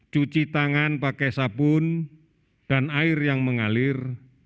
cuci tangan pakai sabun dan air yang mengalir